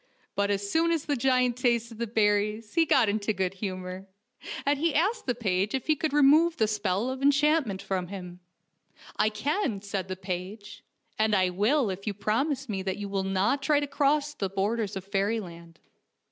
IJut, as soon as the giant tasted the berries he got into good humor, and 112 FAIRY TALES he asked the page if he could remove the spell of enchantment from hini. " I can," said the page, " and I will if you promise me that you will not try to cross the borders of fairyland."